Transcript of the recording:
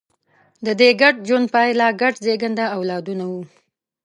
د دې ګډ ژوند پایله ګډ زېږنده اولادونه وو.